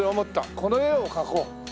この絵を描こう。